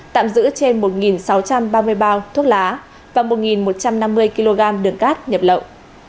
tạm giữ trên một sáu trăm ba mươi bao thuốc lá và một một trăm năm mươi kg đường cát nhập lậu